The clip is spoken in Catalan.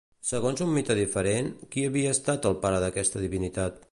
Segons un mite diferent, qui havia estat el pare d'aquesta divinitat?